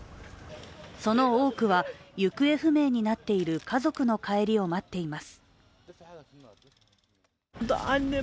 その多くは行方不明になっている家族の帰りを待っています。